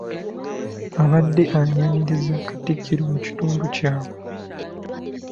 Abadde ayaniriza Katikkiro mu kitundu kyabwe.